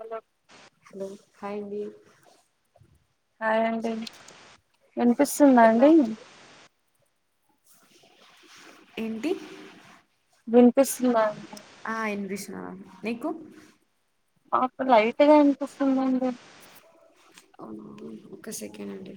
Hello hello hi అని hi అండి వినిపిస్తుందా ఎలా అండి ఉ ఏంటి వినిపిస్తున్నాం ఆ వినిపిస్తుంది మీకు మాకు లైట్గా వినిపిస్తుంది ఒక సెకండ్ అండి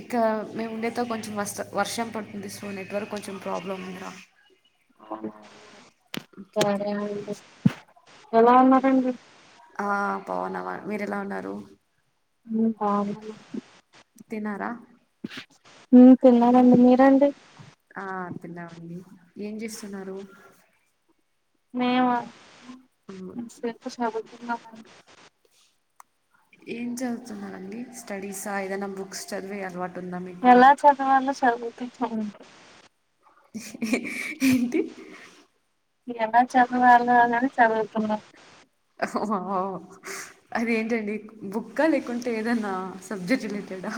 ఇంక మేము వుండే కొంచెం వర్షం పడుతుంది సో నెట్వర్క్ కొంచెం ప్రాబ్లం ఉందిరా ఓకే ఓకే సరే ఎలా ఉన్నారంండి బవున్నావా మీరు ఎలా ఉన్నారు తినారా తిన్నానండి మీరండి ఆ తిన్నామండి ఏం చేస్తున్నారు మే చదువుతున్నాం అంది ఏం చదువుతున్నడి స్టడీసా ఏదైనా బుక్స్ చదివి అలవాటు ఉందా మీకు ఎలా చదవాలో చదువుతనా ఏంటి ఎలా చదవాలో చదువుతున ఓ అదేంటండి బుక్క లేకుంటే ఏదన్నా సబ్జెక్ట్ రిలేటెడా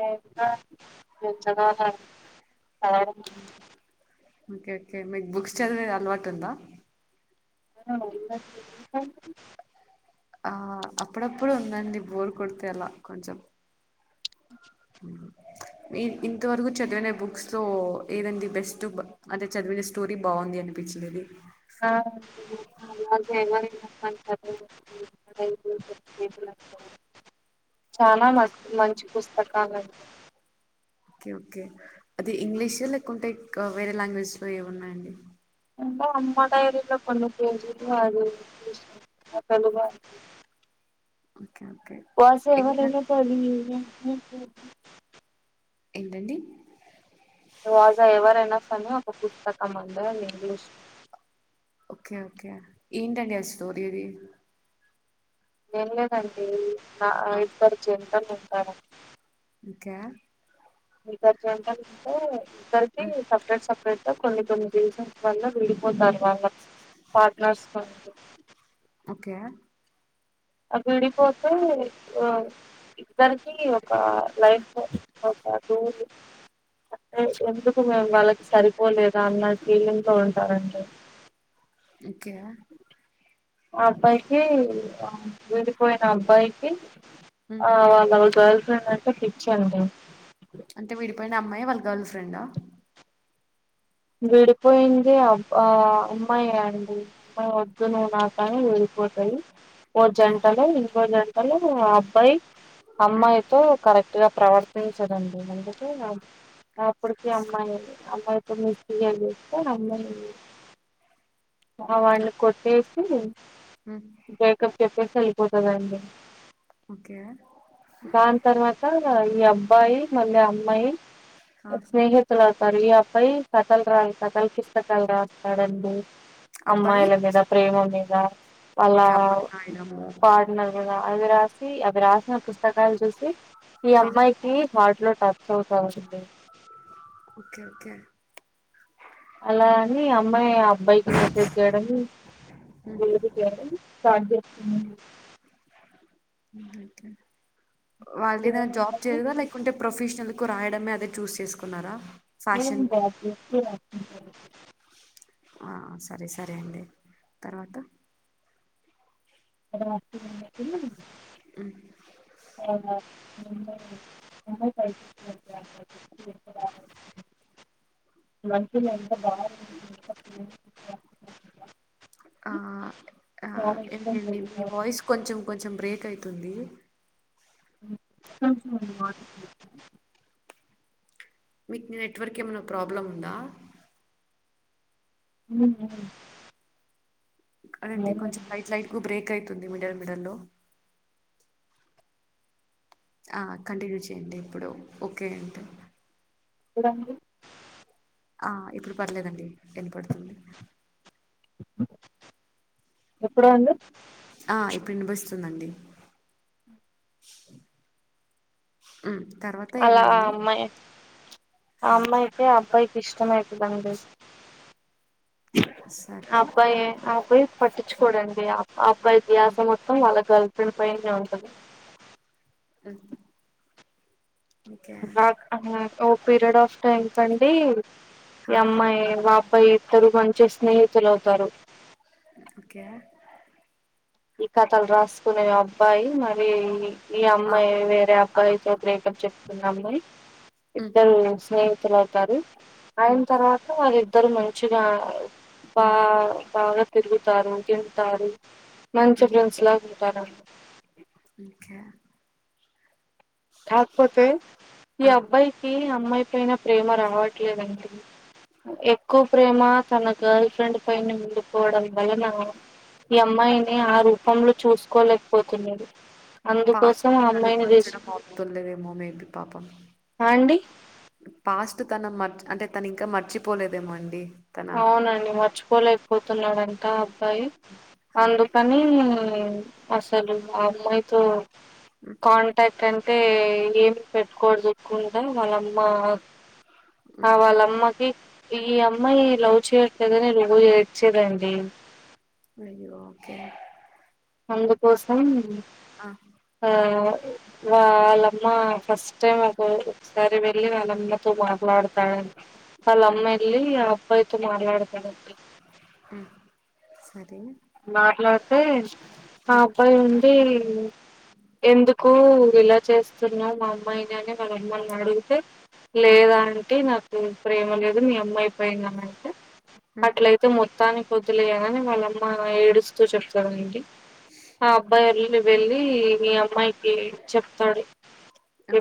ఏంటో ఏం చదవాలో చదవడం ఓకే ఓకే మీకు బుక్స్ చదివి అలవాటు ఉందా ఆ అప్పుడప్పుడు ఉందండి బోర్ కొడితే అలా కొంచెం ఉ మీ ఇంతవరకు చదివిన బుక్స్ లో ఏదండి బెస్ట్ అంటే చదివిన స్టోరీ బాగుంది అని పిచ్చలిది ఆ ఆ, రోజు ఎవరి పని [unintelligible] చాలా మంచి మంచి పుస్తకాలండి ఓకే ఓకే అది ఇంగ్లీష లేకుంటే వేరే లాంగ్వేజ్స్ లో ఏమున్నాయండి [unintelligible] అమ్మ డైరీ లో కొన్ని పేజీలు ఓకే ఓకే ఏమన్నా [unintelligible] [unintelligible] ఏంటండి రాజా ఎవరూ యనఫ్ అని ఒక్క పుస్తకం ఉంది ఇంగ్లీష్ ఓకే ఓకే ఏంటడి స్టోరీ ది ఏం లేదండి ఐదు పది జంటలు ఉంటాయండి ఓకే ఐదు పర్ జంటలు ఉంటే ఇద్దరికీ సపరేట్ సపరేట్గా కొన్ని కొన్ని రీజన్స్ వల్ల విడిపోతారు వాళ్ళ పార్ట్నర్స్ తోనీ ఓకే ఆ విడిపోతే ఆ ఇద్దరికి ఒక లైఫ్ ఒక రూల్ అంటే ఎందుకు మేము వాళ్ళకి సరిపోలేదా అన్న ఫీలింగ్ లో ఉంటారండి. ఓకే అబ్బాయికి ఆ విడిపోయిన అబ్బాయికి ఉమ్ ఆ వాళ్ళ గర్ల్ ఫ్రెండ్ అంటే పిచ్చండి. అంటే విడిపోయిన అమ్మాయే వాళ్ళ గర్ల్ ఫ్రెండా విడిపోయింది అ ఆ అమ్మాయే అండి అమ్మాయి వద్దు నువ్వు నాకని విడి పోతది ఓ ఓకే జంటలు ఇంకో జంటలు అబ్బాయి ఉమ్ అమ్మాయితో కరెక్ట్ గా ప్రవర్తించడండి అందుకే ఆ అప్పడికే అమ్మాయి అమ్మాయి మిస్ బిహేవ్ చేస్తే అమ్మాయి ఆ వాని కొట్టేసి ఉమ్ బ్రేకప్ చెప్పేసి ఎళ్ళిపోతాదండి. ఓకే దాని తర్వాత ఈ అబ్బాయి మళ్ళీ అమ్మాయి ఆ స్నేహితులవుతారు ఈ అ బ్బాయి కథలు రా కథల కిస్తకాలు రాస్తాడండి అబ్బాయి అమ్మాయిల మీద ప్రేమ మీ ద వాళ్ళ ఓకే అబ్బాయి నాయడము పార్ట్నర్ మీద అది రాసి రాసిన పుస్తకాలు చూసి ఈ హా అమ్మాయికి హాట్ లో టచ్ అవుతా ఉంటుంది ఓకే ఓకే అలా అని అమ్మాయి అబ్బాయికి మెసేజ్ చేయడం రోజు చేయడం చాట్ చేస్తుంది హ్మ్. ఓకే వాళ్ళు ఏదైనా చేయడం జాబ్ వల్ల చేయదా లేకుంటే ప్రొఫెషనల్ కు రాయడమే అదే చూస్ చేసుకున్నారా. ఏం ఫ్యాషన్ కు జాబ్ చే బుక్కే రాసుకుంటడు ఆ సరే సరే అండి తర్వాత రాస్తూ ఉన్నప్పుడు తర్వా ముంబై [unintelligible] మంచి ఎంత బాగా [inaudible] ఆ ఆ చాలా ఇష్టం ఏంటండి మీ వాయిస్ కొంచం కొంచం బ్రేక్ అయితుంది. [inaudible] మీకు మీ నెట్వర్క్ ఏమైనా ప్రాబ్లం ఉందా? ఏం లేదండి అదే అండి కొంచం లైట్ లైట్ గా బ్రేక్ అయితుంది మిడిల్ మిడిల్ లో ఆ కంటిన్యూ చేయండి ఇప్పుడు ఓకే అయితే ఇప్పుడండి ఆ ఇప్పుడు పర్లేదండి ఇనపడుతుంది. ఎప్పుడా అండి ఆ ఇప్పుడు ఇనిపిస్తుందండి. అలా అమ్మాయి ఆ అమ్మాయికి అబ్బాయికి ఇష్టం అయి విలన్దేష్ సరే. అబ్బాయి అబ్బాయి పట్టించుకోడండి ఆ ఆ అబ్బాయి ధ్యాస మొత్తం వాళ్ళ గర్ల్ ఫ్రెండ్ పైనే ఉంటది. అ ఆ ఓ పీరియడ్ ఆఫ్ టైమ్ కండి ఆ! ఈ అమ్మాయి వా అబ్బాయి ఇద్దరు మంచి స్నేహితులు అవుతారు. ఓకే ఈ కథలు రాసుకునే అబ్బాయి మ ఈ ఆ! అమ్మాయి వేరే ఆ! అబ్బాయితో బ్రేకప్ చెప్తున్నా అమ్మాయి హ్మ్. ఇద్దరు స్నేహితులు అవుతారు ఆయిన హ్మ్. తర్వాత వాళ్ళిద్దరు మంచిగా బా హ్మ్. బాగా తిరుగుతారు తింతారు మంచి ఫ్రెండ్స్ లా ఉంటారండి ఇంకా కాకపోతే ఈ ఆ! అబ్బాయికి అమ్మాయిపైనా ప్రేమ రావట్లేదండి ఎక్కువ ప్రేమ తన గర్ల్ ఫ్రెండ్ పైన ఉండిపోవడం వలన ఈ అమ్మాయిని ఆ రూపంలో చూసుకోలేకపోతున్నాడు పాస్ట్ అందుకోసం ఆ తను అమ్మాయిని దీసి [unintelligible] అండి పాస్ట్ తన మర్చ అంటే తను ఇంకా మర్చిపోలేదేమో అండి తన అవునండి మర్చికోలేకపోతున్నాడంట ఆ అబ్బాయి ఆ! అందుకని అసలు ఆ అమ్మాయితో కాంటాక్ట్ అంటే ఏమి పెట్టుకోడదుకుంటా వాళ్ళమ్మ అ వాళ్ళమ్మకి ఈ అమ్ అమ్మాయి లవ్ చేయట్లేదనే రోజు ఏడ్చేదండి అయ్యో ఓకే అందుకోసం ఆ ఆ వాళ్ళమ్మ ఫస్ట్ టైమ్ ఒక ఒకసారి వెళ్ళి వాళ్ళమ్మ మాట్లాడతాడ వాళ్ళ మ్మ్ అమ్మెల్లి ఆ అబ్బాయితో మాట్లాడతాదంట అండి ఉమ్ సరే మాట్లాడితే ఆ అబ్బాయి ఉండి ఎందుకు ఇలా చేస్తున్నావు మా అమ్మాయిని అని వాళ్ల అమ్మ ఎల్లి అడిగితే మ్మ్ లేదాంటీ నాకు ప్రేమ లేదు మీ అమ్మాయి పైన అంటే మ్మ్ అట్లయితే మొత్తానికి వద్దిలేయాలని వాళ్ళమ్మ ఏడుస్తూ చెప్తదండి ఆ అబ్బాయి ఎల్ వెళ్ళి ఈ అమ్మాయికి చెప్తాడు ఆ ఎ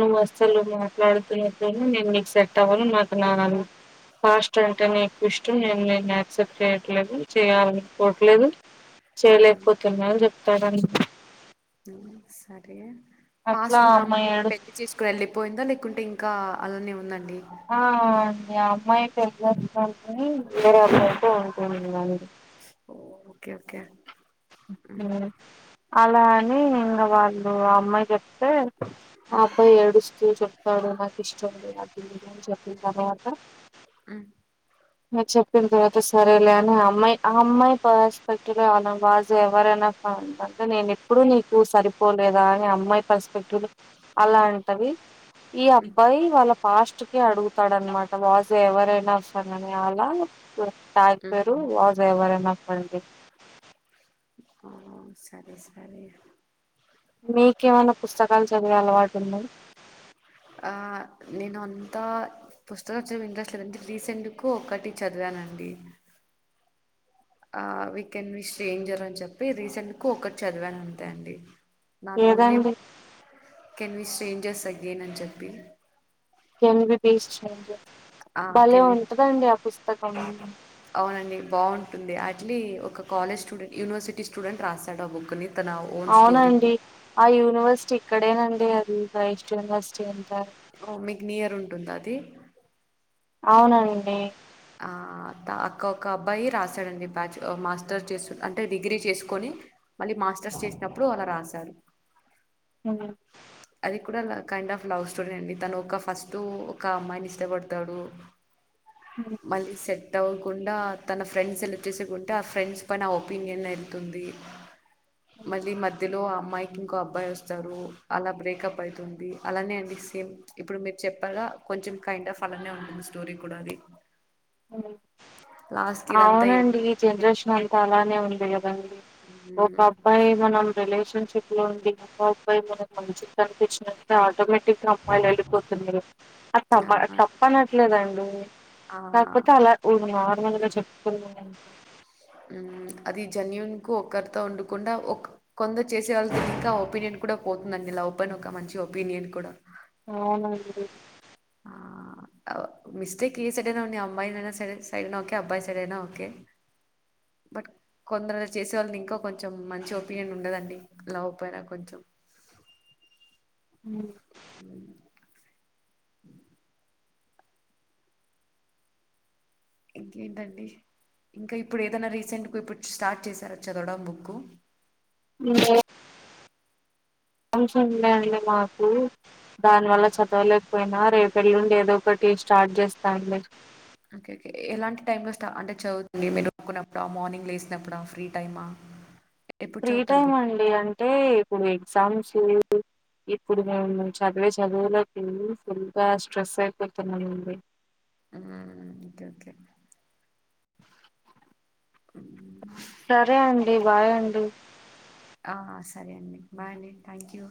నువ్వు అస్సలు మాట్లాడుతున్నట్ నేను నీకు సెట్ అవ్వను నాకు నా పాస్ట్ అంటేనే ఎక్కువ ఇష్టం నేను నిన్ను యాక్సెప్ట్ చేయట్లేదు చేయాలనుకోవట్లేదు మ్మ్ చేయలేకపోతున్న అని చెప్తాడండి ఆ సరే అట్లా ఫాస్ట్ ఆ ఉన్న అమ్మాయి ఏడుస్తూ పెళ్లి చేసుకుని వెల్లిపోయిందా లేకుంటే ఇంకా అలానే ఉందండి ఆ అండి ఆ అమ్మాయి పెళ్లి చేసుకొని వేరే అబ్మాయితో ఉంటుంది అండి ఓ ఓకే ఓకే ఉమ్ అలా అని ఇంకా వాళ్ళు అమ్మాయి చెప్తే అబ్బాయి ఏడుస్తూ చెప్త డు నాకిష్టం లేదు ఆ పెళ్లి అని చెప్పిన తర్వాత ఉమ్ చెప్పిన తర్వాత సరేలే అని ఆ అమ్మాయి ఆ అమ్మాయి పర్స్పెక్టివ్ లో అలా వాస్ ఎవరైనా అంటే నేను ఎప్పుడు నీకు సరిపోలేదా అని అమ్మాయి పర్స్పెక్టివ్ లో అలా అంటది ఈ అబ్బాయి వాళ్ళ పాస్ట్ కి అడుగుతాడ అన్నమాట వాజు ఎవరైనా [inaudible] మ్మ్ [unintelligible] ఆ సరే సరే మీకేమైనా పుస్తకాలు చదివే అలవాటుందా ఆ నేను అంతా పుస్తకాలు చదివే ఇంట్రెస్ట్ లేదండి రీసెంట్ కు ఒకటి చదివాను అండి ఆ వికెన్ విష్ స్ట్రెంజర్ అని చెప్పి రీసెంట్ కు ఒక్కటి చదివాను అంతే అండి దాని ముందే లేదండి కెన్ వి స్ట్రేంజర్స్ అగైన్ అని చెప్పి కెన్ వి బి స్ట్రేంజర్ ఆ కెన్ వి అవునండి బాగుంటుంది ఆ లి ఒక కాలేజ్ స్టూండెట్ యూనివర్సిటీ స్టూడెంట్ రాసాడు ఆ బుక్ ని అవునండి ఆ యూనివర్సిటీ ఇక్కడేనండి అది గ్రైస్ యూనివర్సిటీ అంటారు ఓ మీకు నియర్ ఉంటుంద అది అవునండి ఆ తా కోక అబ్బాయి రాసాడండి బ్యాచ్ మాస్టర్స్ చేస్ అంటే డిగ్రీ చేసుకొని మళ్ళీ మా మాస్టర్స్ చేసినప్పుడు అలా రాసాడు మ్మ్ అది కూడా కైండ్ ఆఫ్ లవ్ స్టోరీ అండి తను ఒక ఫస్ట్ ఒక అమ్మాయిని ఇష్టపడతాడు అ [inaudible] మ్మ్ మళ్ళీ సెట్ అవ్వకుండా తన ఫ్రెండ్స్ సెలెక్ట్ చేసేకుంటే ఆ ఫ్రెండ్స్ పైన ఒపీనియన్ వెళ్తుంది ఉమ్, మళ్ళీ మధ్యలో ఆ మ్మాయికి ఇంకో అబ్బాయి వస్తారు అలా బ్రేకప్ అయితుంది అలానే అండి సేమ్ ఇప్పుడు మీరు చెప్పాగా గ కొంచం కైండ్ ఆఫ్ అలానే ఉంటుంది స్టోరి కూడా అది మ్మ్ లాస్ట్ కి ఇదంతా ఏమి అవునండి జనరేషన్ అంతా అలానే ఉంది గదండి ఒక మ్మ్ అబ్బాయి మనం రిలేషన్ షిప్ లో ఉండి ఇంగో అబ్బాయి మనకి మంచిగా కనిపించినంత ఆటోమేటిక్ [unintelligible] అమ్మాయిలు వెళ్ళిపోతున్నరు అది తప్ప ఆ తప్పు అనట్లేదు అండి ఆ కాకపోతే అలా నార్మల్ గా చెప్పుకున్నా మ్మ్ అది జన్యూన్ కు ఒక్కరితో ఉండకుండా ఒక కొంద చేసే వాళ్ళకి ఇంకా ఒపీనియన్ కూడా పోతుందండి లవ్ పైన ఒక మంచి ఒపీనియన్ కూడా అవునండి ఆ అవు మిస్టేక్ ఏ సైడైనా ఉండి అమ్మాయి సడే సరే సైడ్ అయినా ఓకే అబ్బాయి సైడ్ అయినా ఓకే బట్ కొందరులు చేసే వాళ్ళని ఇంక కొంచెం మంచి ఒపీనియన్ ఉండదండి లవ్ పైన కొంచెం [inaudible] మ్మ్ [inaudible] ఇంకెంటండి ఇంకా ఇప్పుడు ఏదైనా రీసెంట్ గా ఇప్పుడు స్టార్ట్ చేసారా చదవడం బుక్ ఇంకేం ఫంక్షన్ ఉండే అండి మాకు దాని వల్ల చదవలేకపోయినా రేపు ఎల్లుండి ఏదో ఒకటి స్టార్ట్ చేస్త అండి ఓకే ఓకే ఎలాంటి టైమ్ లో స్టా అంటే చదువుతుండే మీరు అనుకున్నప్పుడా మార్నింగ్ లేేసినప్పుడా ఫ్రీ టైమ్ ఆ [inaudible] ఫ్రీ టైం అండీ అంటే ఇప్పుడు ఎగ్జామ్స్ [unintelligible] ఇప్ ఇప్పుడు మేము చదివే చదువులకి వెళ్ళి ఫుల్ గా స్ట్రెస్ అయిపోతున్నామండి హ్మ్ ఓకే ఒకే సరే అండి బాయ్ అండి ఆ సరే అండి బాయ్ అండి థ్యాంక్ యూ